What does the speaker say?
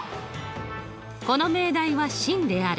「この命題は真である」。